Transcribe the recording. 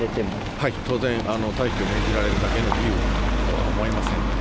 はい、当然、退去命じられるだけの理由とは思えません。